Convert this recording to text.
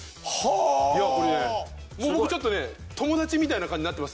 これねもう僕ちょっとね友達みたいな感じになってます